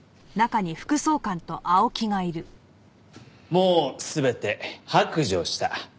もう全て白状した。